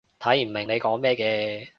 睇唔明你講咩嘅